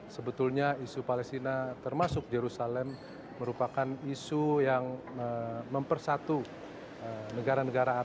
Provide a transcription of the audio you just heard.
sebetulnya isu palestina termasuk jerusalem merupakan isu yang mempersatu negara negara arab